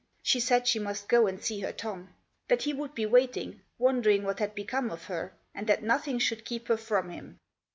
She said she must go and see her Tom. That he would be waiting, wondering what had become of her, and that nothing should keep her from him.